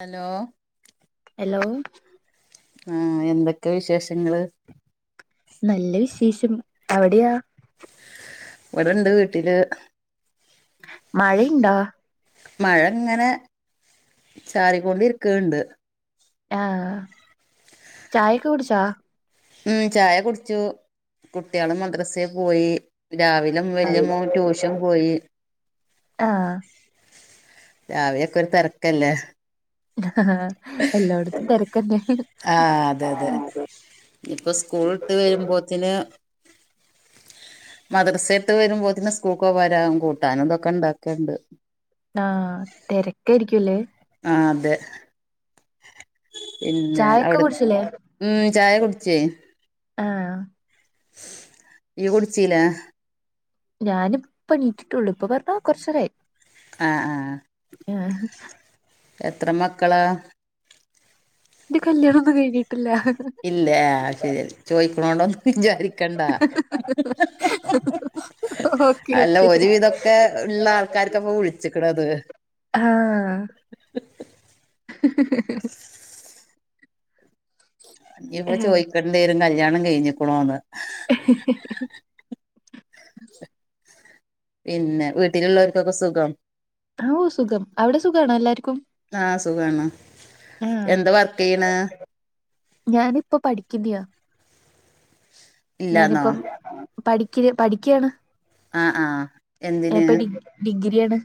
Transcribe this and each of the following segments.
Hello hello ആ എന്തൊക്കെ വിശേഷങ്ങള്? നല്ല വിശേഷം അവിടെയാ ഇവടണ്ട് വീട്ടില്. മഴയുണ്ടോ. മഴങ്ങനെ ചാറിക്കൊണ്ടിരിക്ക്ണ് ണ്ട് ആ ഛായൊക്കെ കുടിച്ചാ? മ്മ് ഛായ കുടിച്ചു. കുട്ട്യേള് മദ്രസെ പോയി. രാവിലെ വല്യ മോൻ ട്യൂഷൻ പോയി. ആ രാവിലെക്കൊരു തെരക്കല്ലേ. ആ എല്ലായിടത്തും തെരക്കല്ലേ. ആഹ് അതെ അതെ ഇപ്പൊ സ്കൂളിട്ട് വരുമ്പോത്തിന്. മദ്രസെയിട്ട് വരുമ്പോത്തിന് സ്കൂൾക്ക് പോവരാവും കൂട്ടാനും തൊക്കെ ണ്ടാക്ക്ൻണ്ട്. ആ തെരക്കെയ്രിക്കും ല്ലേ. ആ അതെ. പിന്നെ ചായൊക്കെ അവിട് കുടിച്ചില്ലേ ഉം ഛായ കുടിച്ചെയ് ആ ഈ കുടിച്ചീലെ. ഞാനിപ്പൊ ണീച്ചിട്ടുള്ളു ഇപ്പൊ പറഞ്ഞ കൊറച്ചേരായി. ആ ആ. ആഹ് ആ എത്ര മക്കളാ ഇന്റെ കല്യാണൊന്നും കഴിഞ്ഞിട്ടില്ല. ഇല്ലേ, ആഹ് ശരി ചോദിക്കണോണ്ട് ഒന്നു വിചാരിക്കണ്ട ഓക്കെ അല്ല ഓക്കെ ഒരുവിതൊക്കെ. ഉള്ള ആൾക്കാർക്ക് പ്പൊ വിളിച്ചിക്ക്ണത്. ആ ഇഞ് ഇപ്പ ചോയ്ക്കണ്ടിയേരും കല്യാണം കഴിഞ്ഞിക്ണോന്ന്. പിന്നെ വീട്ടിലിള്ളോർക്കൊക്കെ സുഖം അവു സുഖം. അവിടെ സുഖാണോ എല്ലാർക്കും? ആഹ് സുഖാണ്. ആഹ് എന്ത വർക്കെയ്യ്ണ്? ഞാനിപ്പ പഠിക്കുന്ന്യാ ഇല്ലാന്നോ ഞാനിപ്പം പഠിക്ണെ പഠിക്ക്യാണ്. ആഹ് ആഹ് എന്തിന് ഇപ്പ ഡി ഡിഗ്രിയാണ്.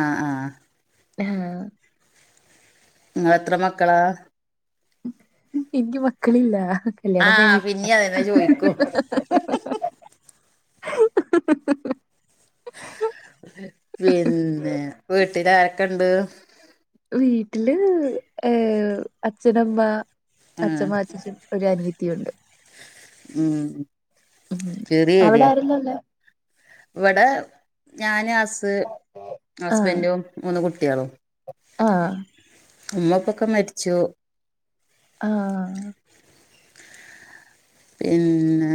ആഹ് ആഹ്. അഹാ നിങ്ങളെത്ര മക്കളാ? ഇൻക്ക് മക്കളില്ല കല്യാണം ആഹ് കഴിഞ്ഞിട്ട് പിന്നീ അതന്നെ ചോയിക്കും [inaudible] പിന്നെ. വീട്ടിലാരൊക്കെണ്ട്? വീട്ടില് ഏഹ് അച്ഛന അമ്മ ആഹ് അച്ഛമ്മ അച്ചച്ചൻ ഒരു അനുയത്തിയുണ്ട് ഉം ഉം ചിറി അവിടെ വരാ. ആരുല്ലല്ലോ വടെ ഞാന് അസ് ആഹ് ഹസ്ബൻഡും മൂന്ന് കുട്ട്യേളും ആഹ് ഉമ്മ ഉപ്പൊക്കെ മര്ച്ചു. ആഹ് പിന്നെ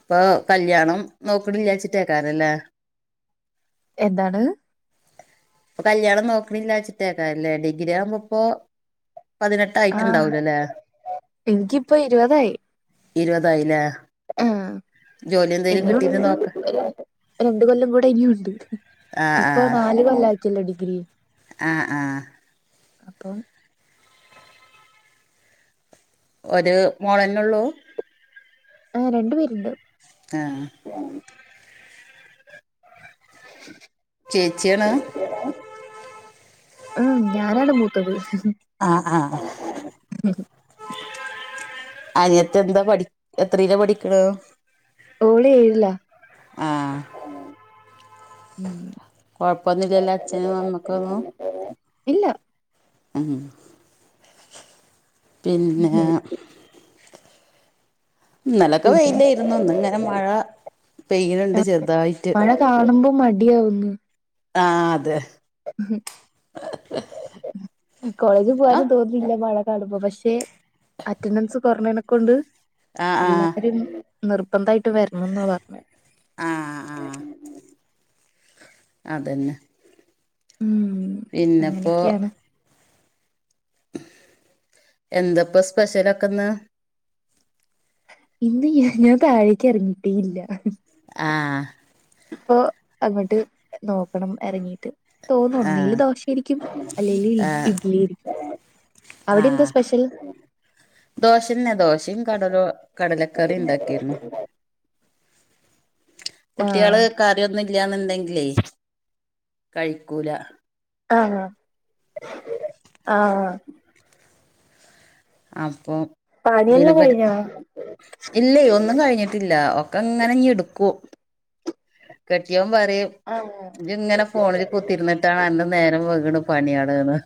ഇപ്പൊ കല്യാണം നോക്കിണില്ലാച്ചിട്ടേക്കാരല്ലേ എന്താണ് ഇപ്പ കല്യാണം നോക്ക്ണില്ലാച്ചിട്ടേക്കാരം ല്ലേ. ഡിഗ്രിയാകുമ്പോ ഇപ്പോ ആഹ് പതിനെട്ടായിട്ടുണ്ടാവൂല ലേ. എനിക്കിപ്പ ഇരുപതായി ഇരുപതായി ലേ. ആഹ് ഇനിയൂണ്ട് നോക്ക രണ്ട് കൊല്ലം കൂടെ ഇനിയൂണ്ട്. ആഹ് ഇപ്പൊ ആഹ് നാല് കൊല്ലാക്ക്യല്ലോ ഡിഗ്രി ആഹ് ആഹ് അപ്പം ഒര് മോളന്നൊള്ളൂ? ആഹ് രണ്ട് പേര്ണ്ട്. ആഹ് ആ [unintelligible] ചേച്ചിയാണ്? ഉഉം ഞാനാണ് മൂത്തത്. ആഹ് ആഹ് അനിയത്തി എന്താ പഠി എത്രീലാ പഠിക്ക്ണത്? ഓളേഴ്ലാ. ആഹ് ഏഹ്. ഉം കൊഴപ്പൊന്നും ഇല്ലല്ലോ അഛനും അമ്മക്കൊന്നും. ഇല്ല ഉം പിന്നെ ഇന്നലൊക്കെ വെയിലേര്ന്നു. ഇന്ന് ഇങ്ങനെ മഴ പെയ്യിണ് ണ്ട്. ചെറുതായിട്ട് കാണുമ്പം മടിയാവുന്ന് ആഹ് അതെ കോളേജ് ആ പോവാനും തോന്നു ന്നില്ല മഴ കാണുമ്പം. പഷെ അറ്റൻഡൻസ് കൊർഞ്ഞേനെക്കൊണ്ട് ആ ആ എല്ലാരും നിർബന്ധായിട്ടും വരണംന്നാ പർണെ ആ ആ അതന്നെ ഉം പിന്നെപ്പോ അങ്ങനെയൊക്കെയാണ് എന്തപ്പ സ്പെഷ്യലൊക്കന്ന് ഇന്ന് ഞ ഞാൻ താഴേക്ക് എറങ്ങീട്ടേ ഇല്ല ആഹ് ഇപ്പൊ അങ്ങട്ട് നോക്കണം എറങ്ങീട്ട് തോന്നും ആ ഒന്നെല് ദോശ ആയിരിക്കും അല്ലെല് ഇഡ്ലിയരിക്കും ആ അവിടെ എന്ത സ്പെഷ്യൽ ദോശന്നെ ദോശയും കടലോ കടലക്കറിം ഇണ്ടാക്കിരുന്നു ആഹ് കുട്യേള് കറ്യോന്നു ഇല്ല്യന്ന്ണ്ടെങ്കിലേ കഴിക്കൂല ആഹ് ഹ ആഹ് ആഹ് അപ്പൊ പിന്നെ പണിയെല്ലാം ഇബര് കഴിഞ്ഞോ ഇല്ലേ ഒന്നും കഴിഞ്ഞിട്ടില്ല ക്കെങ്ങനെ ഞ്ഞിട്ക്കും കെട്യോൻ പറിം ആഹ് ജ്ങ്ങനെ ഫോണില് ക കുത്തിര്ന്നിട്ടാണ് അന്നെ നേരം വെക്ണ് പണ്യാള് ന്ന്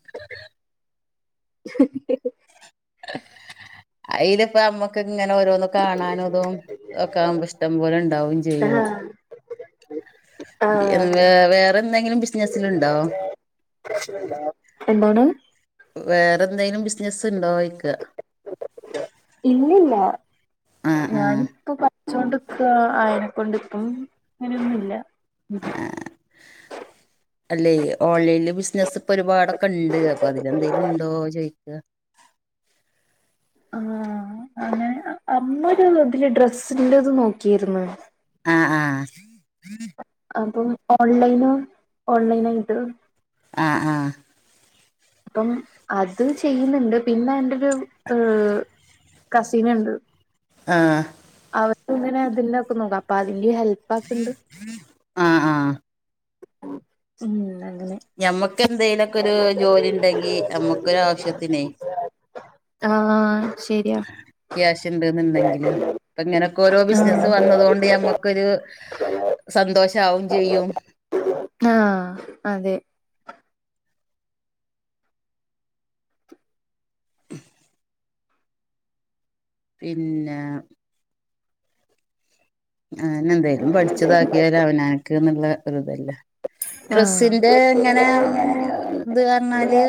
[inaudible] അയ്ല് പ്പ അമ്മക്ക് ഇങ്ങനെ ഓരോന്ന കാണാനുംതും ഒക്കെ ആവ്മ്പോ ഇഷ്ടം പോലെ ണ്ടാവും ചെയ്യും ആഹ് എ ന്ന് ആഹ് വേ വേറെന്തെങ്കിലും ബിസ്നസ്സ് ല് ണ്ടോ [unintelligible] എന്തോണ് വേറെന്തേലും ബിസിനസ്സ്ണ്ടോയ്ക ഇല്ല ല്ല ആഹ് ആഹ് ഞാനിപ്പൊ പ ഠിച്ചോണ്ട്ക്ക ആയ്നെ കൊണ്ട് പ്പം അങ്ങനെയൊന്നുല്ല [inaudible] അല്ലേയ് ഓൺലൈൻല് ബിസിനസ് പ്പൊ ഒരുപാടൊക്കെണ്ട് അപ്പൊ അതിലെന്തേലുംണ്ടോ ചോയ്ക്ക ആഹ് അങ്ങനെ അമ്മൊര് തില് ഡ്രെസ്സിന്റെത് നോക്കിര്ന്ന് ആഹ് ആഹ് അപ്പം ഓൺലൈന് ഓൺലൈനായിട്ട് ആഹ് ആഹ് അപ്പം അത് ചെയ്യ്ന്ന്ണ്ട് പിന്നെ എന്റെരു കസിന്ണ്ട് ആഹ് അവര് ത്ങ്ങനെ ബില്ലാക്കുന്നു അപ്പതില് ഹെൽപാക്ക്ണ്ട് ആഹ് ആഹ് ഉം അങ്ങനെ ഞമ്മ ക്കെന്തേലൊക്കെര് ജോലി ണ്ടെങ്കി ഞമ്മക്കൊരാവശ്യത്തിനേ ആഹ് ശെര്യാ ക്യാഷ് ണ്ട്ന്ന്ണ്ടെങ്കില് പ്പ ങ്ങനെക്കോരോ ബിസിനസ് ആഹ് വന്നതോണ്ട് ഞമ്മക്കൊരു സന്തോഷാവും ചെയ്യും ആഹ് അതെ [inaudible] ഇല്ലാ ആയെന്നെ ന്തേലും പഠിച്ചതാക്കിയാല് അവനാൻക്ക്ന്ന്ള്ള ഒരുതല്ലേ ആഹ് ഡ്രസ്സിന്റെ എങ്ങനെ ത് അർഞ്ഞാല്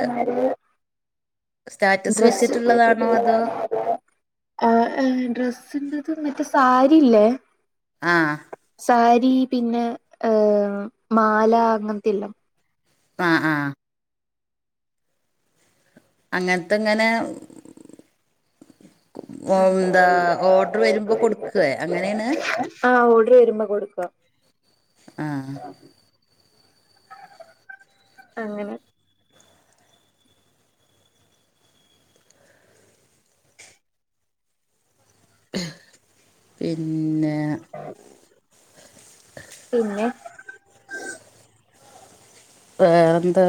ഡ്രസ് വെച്ചിട്ടുള്ളതാണോ [unintelligible] അതോ ആഹ് ഡ്രസ്സിന്റത് മറ്റേ സാരില്ലേ ആഹ് സാരി പിന്നെ ഏഹ് മാല അങ്ങൻത്തെല്ലം ആഹ് ആഹ് അങ്ങൻത്തെ ങ്ങനെ ഒം ന്താ ഓഡ്റ് വരുമ്പോ കൊട്ക്കേ അങ്ങനേണ് ആഹ് ഓഡ്ർ വരുമ്പോ കൊടുക്ക ആഹ് അഹ് അങ്ങനെ പിന്നെ പിന്നെ വേറെന്ത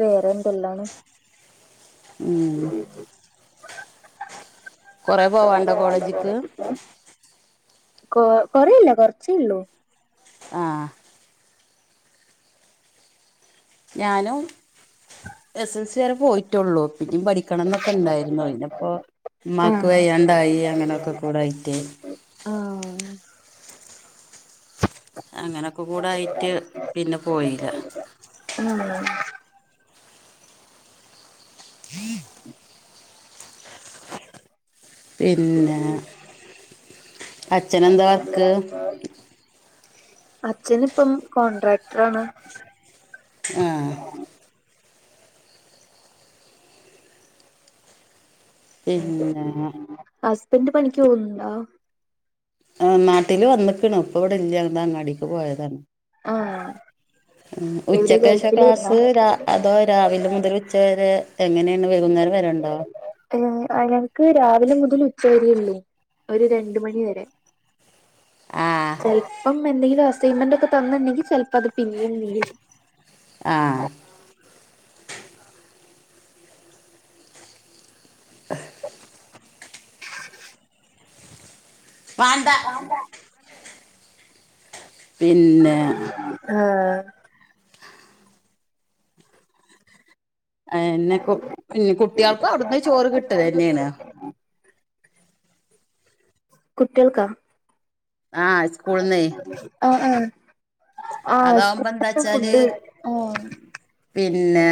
വേറെന്തെല്ലാ ഉം കൊറെ പോവാണ്ടോ കോളേജിക്ക് [unintelligible] കൊ കൊറയില്ല കൊറ്ച്ചെ ഒള്ളൂ. ആഹ് ഞാനും എസ് എസ് സി വരെ പോയിറ്റൊള്ളു പിന്നും പഠി ക്കണം എന്നൊക്കെ ഉണ്ടായിരുന്നു ഇനെപ്പോ ഇമ്മാക്ക് ആഹ് വയ്യാണ്ടായി. അങ്ങനെ ഒക്കെ കൂടായിട്ട്. അങ്ങനെ ഒക്കെ കൂടെ ആയിട്ട് പിന്നെ പോയില്ല. ആഹ് [unintelligible] [inaudible] [inaudible] പിന്നെ അച്ഛനെന്താ വർക്ക് അച്ഛന് ഇപ്പം കോൺട്രാക്ടർാണ് ആഹ് പിന്നെ ഹസ്ബൻഡ് പണിക്ക് പോവുന്നുണ്ടോ നാട്ടില് വന്നിക്ക്ണു. ഇപ്പ ഇവിടെ ഇല്ല എന്ത അങ്ങാടിക്ക് പോയതാണ് ആഹ് എവിടെ ഉച്ചക്കേശ ഗൾഫിലായിരുന്നോ ക്ലാസ്സ് രാ അതോ രാവിലെ മുതൽ ഉച്ച വരെ എങ്ങനെയാണ് വൈകുന്നേരം വരെ ഇണ്ടോ ഏ ഞങ്ങൾക്ക് രാവിലെ മുതൽ ഉച്ചവരെ ഒള്ളൂ ഒരു രണ്ട് മണിവരെ. ആഹ് ചെൽപ്പം എന്തെങ്കിലും അസൈൻമെന്റ് ഒക്കെ തന്നിണ്ടെങ്കിൽ ചിലപ്പോ അത് പിന്നിം നീടും ആഹ് വാണ്ട വാണ്ട പിന്നെ ഹ് എന്നെ പിന്നെ കുട്ട്യേൾക്കും അവിട്ന്ന് ചോറ് കിട്ടതെന്നെണ്. കുട്ട്യേൾക്ക ആഹ് സ്കൂൾ ന്നെ അഹ്ആഹ ആഹ അതാവുമ്പോ സ് എന്താച്ചാല് ഫുഡ് ആഹ [unintelligible] പിന്നെ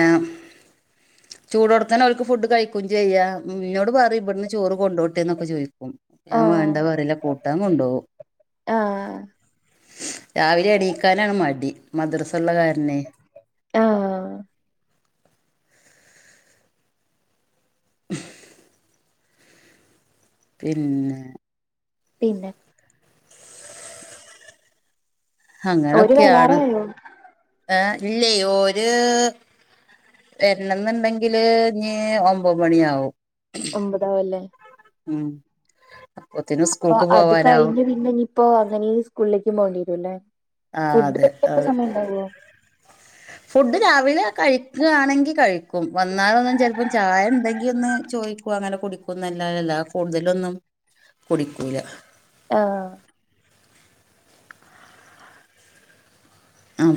ചൂട് കൊടുത്താന്നെ അവർക്ക് ഫുഡ് കഴിക്കും ചെയ്യാ മീനോട് പറയും ഇബെട്ന്ന് ചോറ് കൊണ്ടോട്ടേ എന്നൊക്കെ ചോദിക്കു ഞാൻ ആഹ് വേണ്ട വറല്ല കൂട്ടാൻ കൊണ്ടോവും ആഹ് രാവിലെ എണീക്കാനാണ് മടി മദ്രസ ഉള്ള കാരനെ. ആഹ് പിന്നെ പിന്നെ അങ്ങനെ ഓര് ഒക്ക്യാണ് വരാറായോ ഏ ഇല്ലെയ് ഇല്ലെയ് ഓര് വര്ണം ന്നുണ്ടെങ്കില് നീ ഒമ്പത് മണിയാവും. ഒമ്പതാവ അല്ലേ ഉം പ്പോത്തിനു സ് അപ്പ അത് കഴിഞ്ഞ് പിന്നെ ഇനിയിപ്പോ അങ്ങനി ഈ സ്കൂളിലേക്ക് പോകേണ്ടി വരും ലെ ആ ഫുഡ അതെ ആ, ഒക്കെ സമയം ഉണ്ടാവോ ഫുഡ് രാവിലെ കഴിക്കാണെങ്കിൽ കഴിക്കും വന്നാാല ഒന്നും ചെല്പ്പോം ചായ ഇണ്ടെങ്കി ഒന്ന് ചോദിക്ക അങ്ങനെ കുടിക്കുംന്നല്ലല്ല കൂടുതലൊന്നും കുടിക്കൂല ആഹ്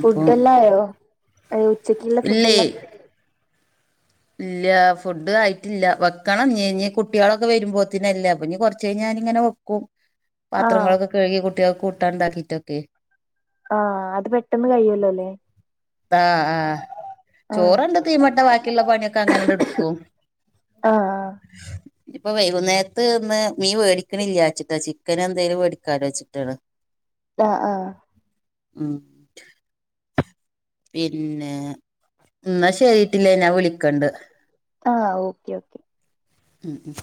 ഫുഡ എല്ലയോ ഉച്ചക്കുള്ള ഫുഡ് ഇല്ലേ എല്ലാം ഇല്ല ഫുഡ് ആയിട്ടില്ല വെക്കണം കുട്ടികളൊക്കെ വരുമ്പോത്തിന അല്ലേ അപ്പ ഇനി കുറച്ച് പക്ഷെ ഞാനങ്ങനെ വെക്കും [inaudible] പാത്രങ്ങളൊക്കെ കഴുകി കുട്ടികൾക്ക് കൂട്ടാൻണ്ടാക്കിട്ടൊക്കെ ആഹ് അത് പെട്ടെന്ന് കഴിയല്ലോല്ലേ ആഹ് ആഹ് ആഹ് ചോറൊണ്ട് തീ മട്ടു ബാക്കിയൊള്ള പണിക്കെങ്ങനെ കൊടുക്കും. ആഹ് ആഹ് ഇനിപ്പൊ വൈകുന്നേരത്ത് ഇന്ന് മീ മേടിക്കണില്യാച്ചിട്ടാ ചിക്കെനെന്തേലും മേടിക്കാലോ വെച്ചിട്ടാണ്. ആഹ് ആഹ് ഉം പിന്നെ എന്നാ ശരിട്ടില്ലേ ഞാ വിളിക്കൊണ്ട്. ആഹ് ഓക്കേ ഓക്കേ ഉം ഉം